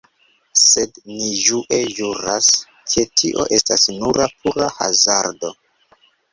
Sed ni ĝue ĵuras, ke tio estas nura pura hazardo.